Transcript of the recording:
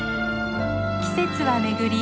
季節は巡り